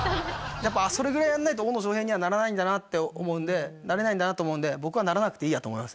やっぱそれぐらいやんないと大野将平にはならないんだなって思うんでなれないんだなって思うんで僕はならなくていいやと思います